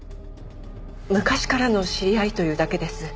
昔からの知り合いというだけです。